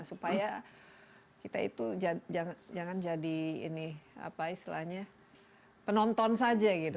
supaya kita itu jangan jadi penonton saja gitu